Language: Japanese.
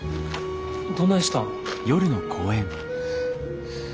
どないしたん。